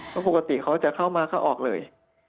เพราะปกติเขาจะเข้ามาเข้าออกเลย